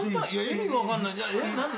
意味が分かんない。